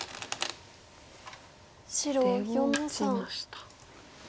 出を打ちました。